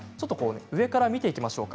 上から見ていきましょう。